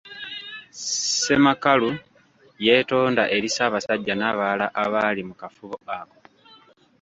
Ssemakalu yeetonda eri Ssabasajja n’abalala abaali mu kafubo ako.